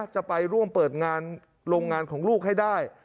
จะไปร่วมเปิดงานโรงงานของลูกให้ได้